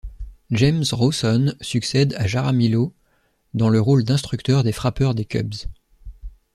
James Rowson succède à Jaramillo dans le rôle d'instructeur des frappeurs des Cubs.